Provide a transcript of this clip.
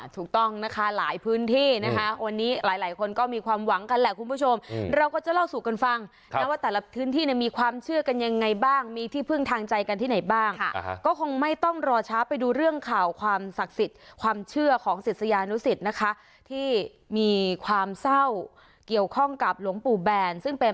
ถูกต้องนะคะหลายพื้นที่นะคะวันนี้หลายคนก็มีความหวังกันแหละคุณผู้ชมเราก็จะเล่าสู่กันฟังนะว่าแต่ละพื้นที่เนี่ยมีความเชื่อกันยังไงบ้างมีที่พึ่งทางใจกันที่ไหนบ้างก็คงไม่ต้องรอช้าไปดูเรื่องข่าวความศักดิ์สิทธิ์ความเชื่อของศิษยานุสิตนะคะที่มีความเศร้าเกี่ยวข้องกับหลวงปู่แบนซึ่งเป็น